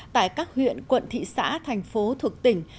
tại các huyện quận thị xã thành phố thuộc tỉnh